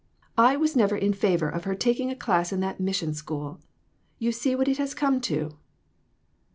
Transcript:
I was never in favor of her taking a class in that mission school. You see what it has come to."